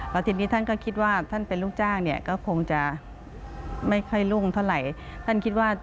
แล้วทีนี้ท่านก็คิดว่าท่านเป็นลูกจ้างเนี่ยก็คงจะไม่ค่อยรุ่งเท่าไหร่ท่านคิดว่า